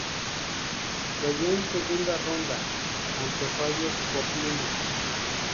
Cayó en segunda ronda ante Fabio Fognini.